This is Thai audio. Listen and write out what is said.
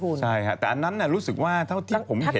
เพราะฉะนั้นรู้สึกว่าเท่าที่ผมเห็น